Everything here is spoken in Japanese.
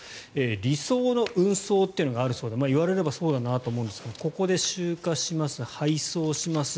理想の運送というのがあるそうで言われればそうだなと思うんですけどここで集荷します、配送します